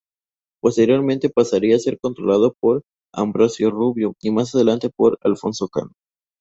Posteriormente pasaría a ser controlado por Ambrosio Rubio y más adelante por Alfonso Cano.